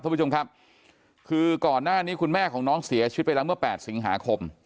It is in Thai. คุณผู้ชมครับคือก่อนหน้านี้คุณแม่ของน้องเสียชีวิตไปแล้วเมื่อ๘สิงหาคม